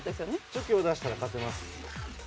チョキを出したら勝てます。